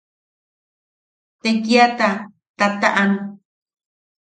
Tekiata tataʼan.